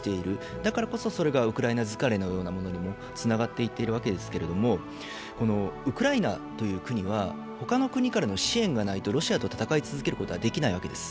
だからこそそれがウクライナ疲れのようなものにもつながっていっているわけですけれども、ウクライナという国は他の国からの支援がないと、ロシアと戦い続けることはできないわけです。